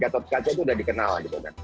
gatot kaca itu udah dikenal gitu kan